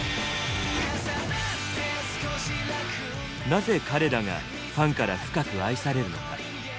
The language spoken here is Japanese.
なぜ彼らがファンから深く愛されるのか？